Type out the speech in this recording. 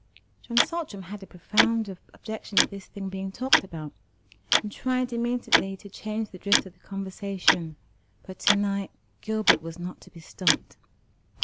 John Saltram had a profound objection to this thing being talked about, and tried immediately to change the drift of the conversation; but to night Gilbert was not to be stopped.